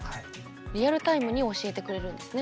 リアルタイムに教えてくれるんですね。